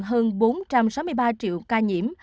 hơn bốn trăm sáu mươi ba triệu ca nhiễm